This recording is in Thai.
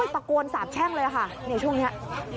ตะโกนสาบแช่งเลยค่ะช่วงนี้